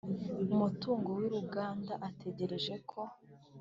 umutungo wiruganda atekereje ko